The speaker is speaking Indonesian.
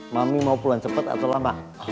mami mau pulang cepet atau lambat